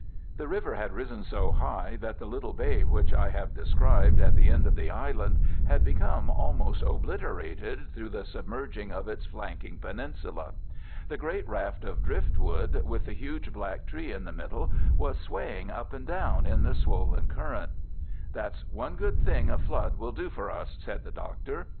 The river had risen so high that the little bay which I have described at the end of the island had become almost obliterated through the submerging of its flanking peninsula. The great raft of driftwood, with the huge black tree in the middle, was swaying up and down in the swollen current. "That's one good thing a flood will do for us," said the Doctor.